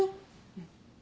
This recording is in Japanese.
うん。